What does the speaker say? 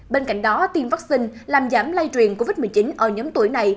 bên cạnh đó tiêm vaccine làm giảm lây truyền covid một mươi chín ở nhóm tuổi này